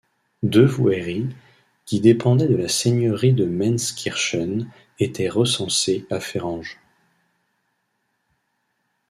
Deux voueries qui dépendaient de la seigneurie de Menskirchen étaient recensées à Ferange.